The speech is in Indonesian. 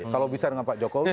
kalau bisa dengan pak jokowi